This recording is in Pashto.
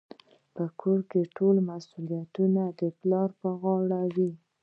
په کور کي ټول مسوليت د پلار پر غاړه وي.